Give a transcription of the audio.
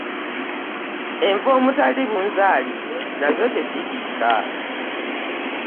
Enva omutali bunzaali nazo teziriika.